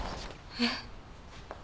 えっ？